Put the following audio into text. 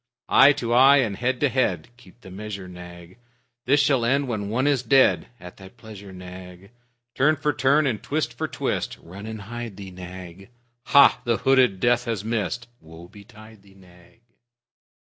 Eye to eye and head to head, (Keep the measure, Nag.) This shall end when one is dead; (At thy pleasure, Nag.) Turn for turn and twist for twist (Run and hide thee, Nag.) Hah! The hooded Death has missed! (Woe betide thee, Nag!)